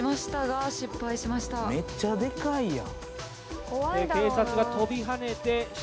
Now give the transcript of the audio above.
「めっちゃでかいやん」